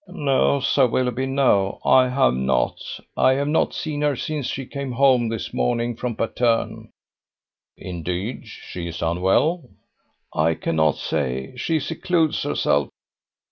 "No, Sir Willoughby, no. I have not; I have not seen her since she came home this morning from Patterne." "Indeed? She is unwell?" "I cannot say. She secludes herself."